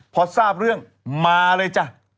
พอทราบเรื่องมาเลยจ้ะ